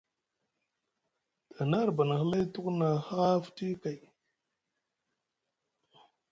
Te hna arbani halay tuku na haa futi kay.